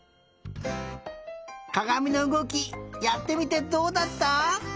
かがみのうごきやってみてどうだった？